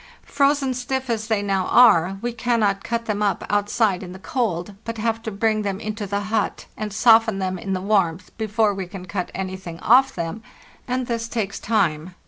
Frozen stiff as they now are, we cannot cut them up outside in the cold, but have to bring them into the hut and _ soften them in the warmth before we can cut anything off them, and this takes time.